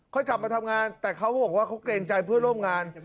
กลับมาทำงานแต่เขาก็บอกว่าเขาเกรงใจเพื่อนร่วมงาน